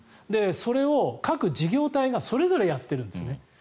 それを各事業体がそれぞれやってるんですね。